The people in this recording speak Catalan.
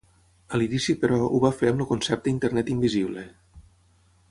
A l'inici, però, ho va fer amb el concepte Internet invisible.